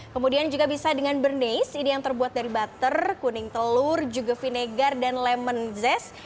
kemudian juga bisa dengan bernese ini yang terbuat dari butter kuning telur juga sinegar dan lemon zez